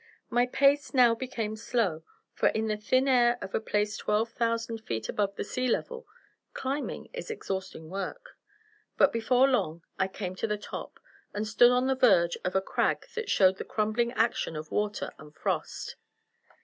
My pace now became slow, for in the thin air of a place twelve thousand feet above the sea level, climbing is exhausting work. But before long I came to the top, and stood on the verge of a crag that showed the crumbling action of water and frost.